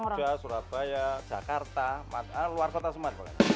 ujah surabaya jakarta luar kota semua